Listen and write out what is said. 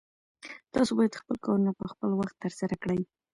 تاسو باید خپل کارونه په خپل وخت ترسره کړئ.